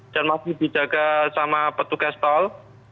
dan masih dijaga sama petugas tol